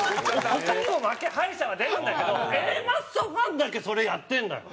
他にも負け敗者は出るんだけどＡマッソファンだけそれやってるんだよ。